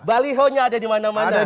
balihonya ada dimana mana